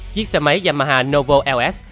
chiếc xe máy yamaha novo ls